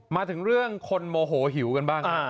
มาถึงเรื่องคนโมโหหิวกันบ้าง